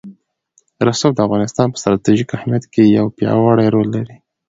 رسوب د افغانستان په ستراتیژیک اهمیت کې یو پیاوړی رول لري.